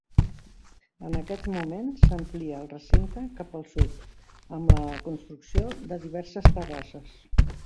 En aquest moment, s'amplià el recinte cap al sud amb la construcció de diverses terrasses.